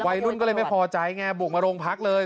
วัยรุ่นก็เลยไม่พอใจไงบุกมาโรงพักเลย